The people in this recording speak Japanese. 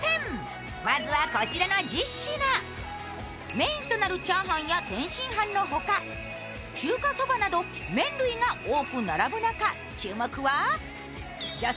メーンとなるチャーハンや天津飯の他、中華そばなど、麺類が多く並ぶ中、注目は？